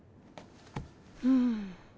うん。